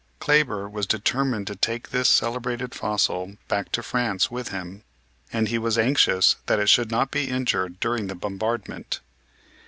Kleber was determined to take this celebrated fossil back to France with him, and he was anxious that it should not be injured during the bombard ment.